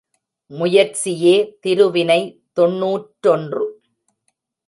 முயற்சியே திருவினை தொன்னூற்றொன்று.